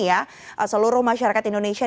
ya seluruh masyarakat indonesia